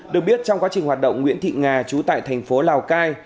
được biết trong quá trình hoạt động nguyễn thị nga chú tại thành phố lào cai